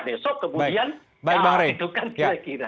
besok kemudian yang itu kan kira kira